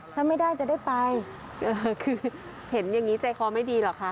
ถ้าไม่ได้จะได้ไปคือเห็นอย่างนี้ใจคอไม่ดีหรอกคะ